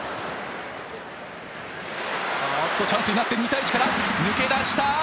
あっとチャンスになって２対１から抜け出した。